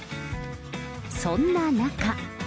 そんな中。